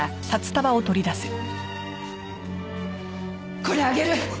これあげる！